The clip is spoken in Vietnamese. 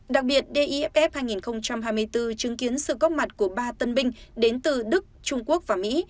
đặc biệt df hai nghìn hai mươi bốn chứng kiến sự góp mặt của ba tân binh đến từ đức trung quốc và mỹ